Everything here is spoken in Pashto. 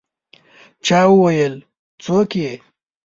چا وویل: «څوک يې؟»